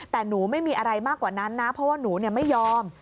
แต่หนูไม่มีอะไรมากกว่านั้นนะเพราะว่าหนูไม่ยอม